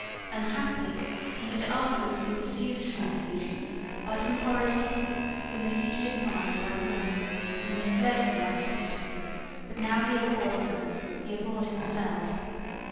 Unhappily he had afterwards been seduced from his allegiance by some horrid people who had heated his mind by calumnies and misled him by sophistry; but now he abhorred them: he abhorred himself.